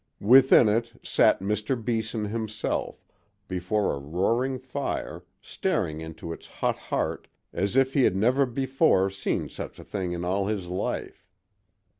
Within it sat Mr. Beeson himself, before a roaring fire, staring into its hot heart as if he had never before seen such a thing in all his life.